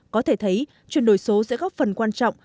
có thể thấy chuyển đổi số sẽ góp phần quan trọng